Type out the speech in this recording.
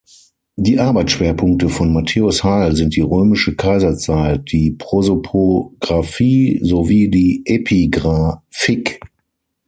Die Arbeitsschwerpunkte von Matthäus Heil sind die Römische Kaiserzeit, die Prosopographie sowie die Epigraphik.